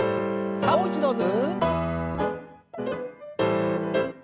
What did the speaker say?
さあもう一度ずつ。